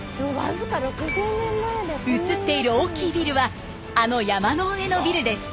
写っている大きいビルはあの山の上のビルです。